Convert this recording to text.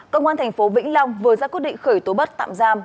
công an thành phố vĩnh long vừa ra quyết định khởi tố bắt tạm giam